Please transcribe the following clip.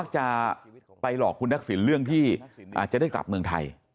จะไปหลอกคุณทักษิณเรื่องที่อาจจะได้กลับเมืองไทย